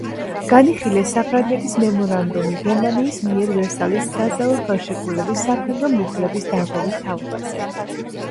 განიხილეს საფრანგეთის მემორანდუმი გერმანიის მიერ ვერსალის საზავო ხელშეკრულების სამხედრო მუხლების დარღვევის თაობაზე.